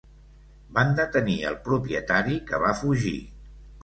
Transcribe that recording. Van detenir el propietari, que va fugir.